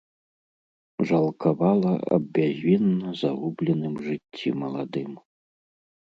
Жалкавала аб бязвінна загубленым жыцці маладым.